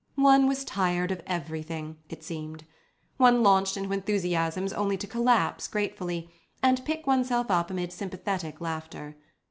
One was tired of everything, it seemed. One launched into enthusiasms only to collapse gracefully, and pick oneself up amid sympathetic laughter.